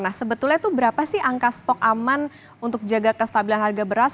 nah sebetulnya itu berapa sih angka stok aman untuk jaga kestabilan harga beras